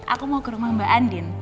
aku mau ke rumah mbak andin